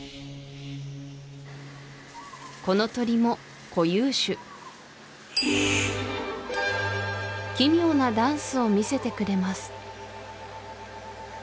この鳥も固有種奇妙なダンスを見せてくれます